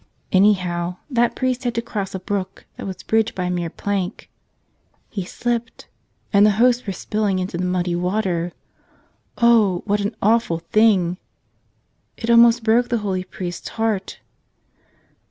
Anyhow, that priest had to cross a brook that was bridged by merely a plank. He slipped ; and the Hosts were spilled into the muddy water. Oh, what an awful thing ! It almost broke the holy priest's heart.